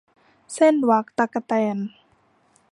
เซ่นวักตั๊กแตน